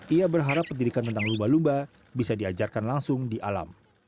ia berharap pendidikan tentang lumba lumba bisa diajarkan langsung di alam